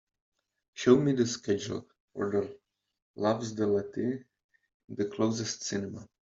show me the schedule of The Loves of Letty in the closest cinema